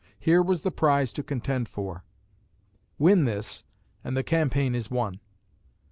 Here was the prize to contend for. Win this and the campaign is won.